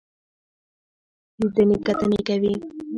لیدنې کتنې کوي.